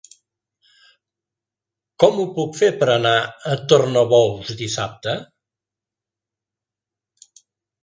Com ho puc fer per anar a Tornabous dissabte?